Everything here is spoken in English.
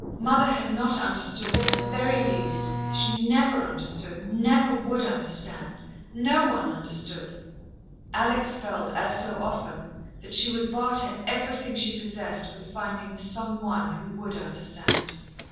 Mother had not understood in the very least. She never understood, never would understand. No one understood. Alex felt, as so often, that she would barter everything she possessed for the finding of some one who would understand.